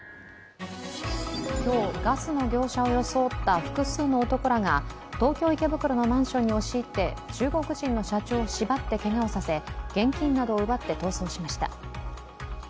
今日、ガスの業者を装った複数の男らが東京・池袋のマンションに押し入って中国人の社長を縛ってけがをさせ現金などを奪って逃走しました。